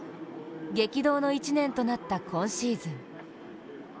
激動の一年となった今シーズン。